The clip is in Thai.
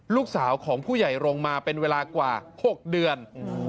ลูกสาวของผู้ใหญ่โรงมาเป็นเวลากว่า๖เดือน